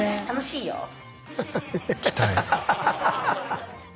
楽しいよ。